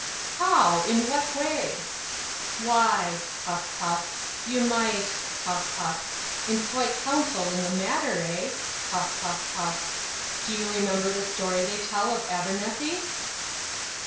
"How?—in what way?" "Why—puff, puff—you might—puff, puff—employ counsel in the matter, eh?—puff, puff, puff. Do you remember the story they tell of Abernethy?"